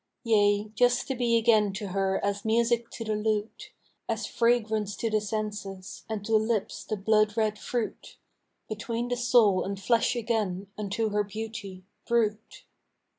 Yea, just to be again to her as music to the lute, As fragrance to the senses, and to lips the blood red fruit, Between the soul and flesh again, unto her beauty, brute.